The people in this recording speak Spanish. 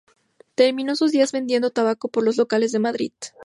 Terminó sus días vendiendo tabaco por los locales de Madrid.